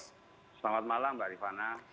selamat malam mbak rifana